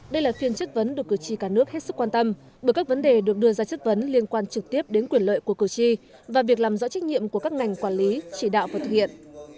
đây là phiên chất vấn được cử tri cả nước hết sức quan tâm bởi các vấn đề được đưa ra chất vấn liên quan trực tiếp đến quyền lợi của cử tri và việc làm rõ trách nhiệm của các ngành quản lý chỉ đạo và thực hiện